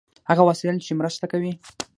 هغه وسایل دي چې مرسته کوي.